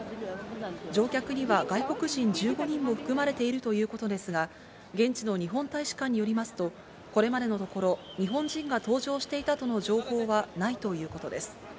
乗客には外国人１５人も含まれているということですが、現地の日本大使館によりますと、これまでのところ、日本人が搭乗していたとの情報はないということです。